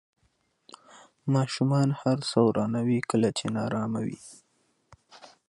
ماشومان هر څه ورانوي کله چې نارامه وي.